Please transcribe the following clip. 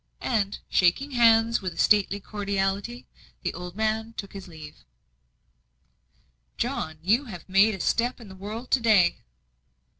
And, shaking hands with a stately cordiality, the old man took his leave. "John, you have made a step in the world to day."